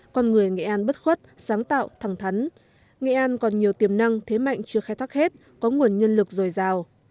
con người nghệ an bất khuất sáng tạo thẳng thắn nghệ an còn nhiều tiềm năng thế mạnh chưa khai thác hết có nguồn nhân lực dồi dào